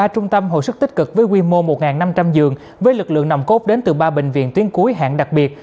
ba trung tâm hồi sức tích cực với quy mô một năm trăm linh giường với lực lượng nồng cốt đến từ ba bệnh viện tuyến cuối hạng đặc biệt